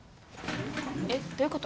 えっどういうこと？